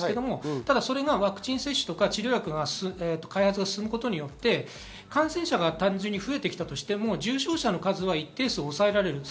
ただそれがワクチン接種、治療薬が開発されて、感染者が単純に増えたとしても重症者の数は一定数抑えられます。